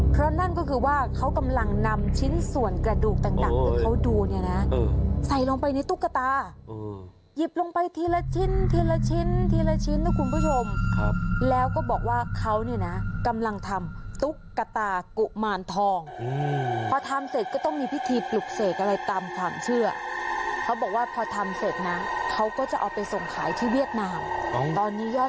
เพราะนั่นก็คือว่าเขากำลังนำชิ้นส่วนกระดูกดังที่เขาดูเนี่ยนะ